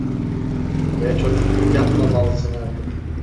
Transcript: Ve çocukluk yapmamalısın artık…